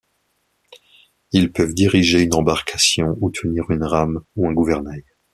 Ils peuvent diriger une embarcation ou tenir une rame ou un gouvernail.